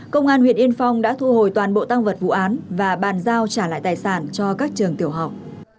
công an huyện yên phong đã thu hồi toàn bộ tăng vật vụ án và bàn giao trả lại tài sản cho các trường tiểu học